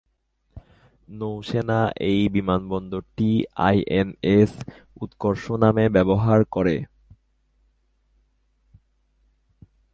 নৌসেনা এই বিমানবন্দরটি আইএনএস উৎকর্ষ নামে ব্যবহার করে।